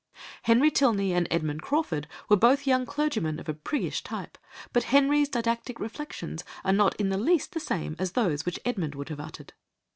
Henry Tilney and Edmund Crawford were both young clergymen of a priggish type, but Henry's didactic reflections are not in the least the same as those which Edmund would have uttered.